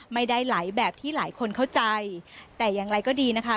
ไม่ได้ไหลแบบที่หลายคนเข้าใจแต่อย่างไรก็ดีนะคะ